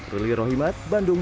ruli rohimat bandung